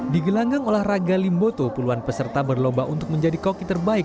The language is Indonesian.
di gelanggang olahraga limboto puluhan peserta berlomba untuk menjadi koki terbaik